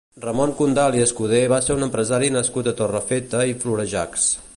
Ramon Condal i Escudé va ser un empresari nascut a Torrefeta i Florejacs.